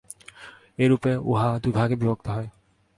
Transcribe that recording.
এইরূপে উহা দুই ভাগে বিভক্ত হয়।